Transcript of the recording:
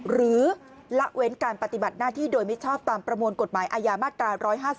หรือละเว้นการปฏิบัติหน้าที่โดยมิชอบตามประมวลกฎหมายอาญามาตรา๑๕๒